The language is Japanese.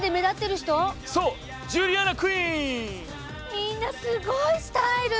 みんなすごいスタイル！